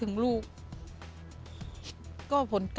แม่หนูขอโทษนะ